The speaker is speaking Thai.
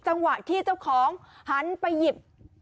จังหวะที่เจ้าของหันไปหยิบ